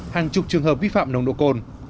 hàng chục trường hợp vi phạm nồng độ cồn